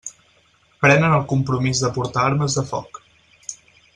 Prenen el compromís de portar armes de foc.